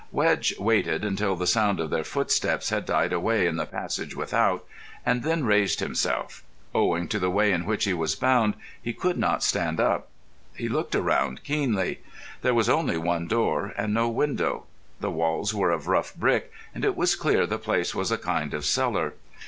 Wedge waited until the sound of their footsteps had died away in the passage without, and then raised himself. Owing to the way in which he was bound he could not stand up. He looked around keenly. There was only one door and no window. The walls were of rough brick, and it was clear the place was a kind of cellar.